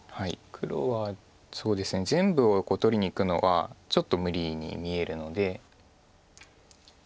黒は全部を取りにいくのはちょっと無理に見えるので。